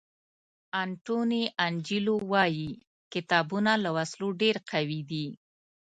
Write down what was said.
انټوني انجیلو وایي کتابونه له وسلو ډېر قوي دي.